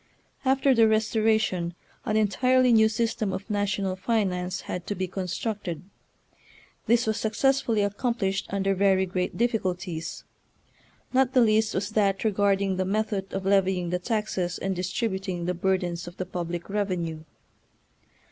After the Restoration an entirely new system of national finance had to be con structed. This was successfully accom plished under very great difficulties. Not the least was that regarding the method of levying the taxes and distributing the burdens of the public revenue.